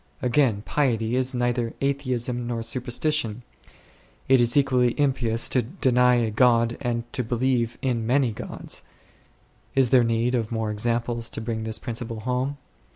Again, piety is neither atheism nor superstition ; it is equally impious to deny a God and to believe in many gods. Is there need of more examples to bring this principle home